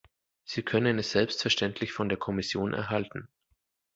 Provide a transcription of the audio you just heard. Sie können es selbstverständlich von der Kommission erhalten.